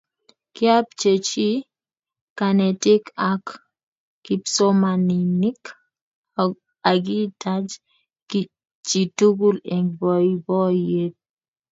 Kiapchechi kanetik ak kipsomaninik akitach chitukul eng boiboyet